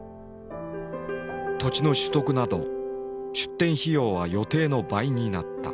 土地の取得など出店費用は予定の倍になった。